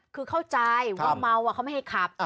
คือเขาจะว่าเมาท์เค้าไม่ให้ขับ